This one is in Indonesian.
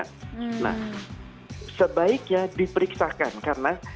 biasanya kejalaan vulkanis